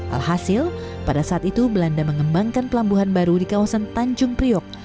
alhasil pada saat itu belanda mengembangkan pelabuhan baru di kawasan tanjung priok